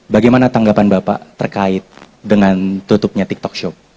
bagaimana tanggapan bapak terkait dengan tutupnya tiktok shop